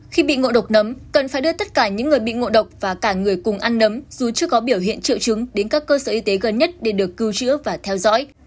khi bị ngộ độc nấm cần phải đưa tất cả những người bị ngộ độc và cả người cùng ăn nấm dù chưa có biểu hiện triệu chứng đến các cơ sở y tế gần nhất để được cứu chữa và theo dõi